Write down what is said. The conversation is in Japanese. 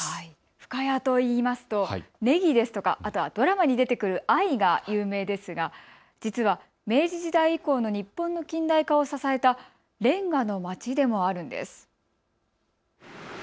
深谷と言いますとねぎやあとはドラマに出てくる藍が有名ですが実は明治時代以降の日本の近代化を支えたレンガのまちでもあるんです。